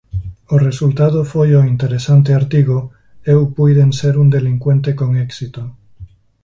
O resultado foi o interesante artigo "Eu puiden ser un delincuente con éxito".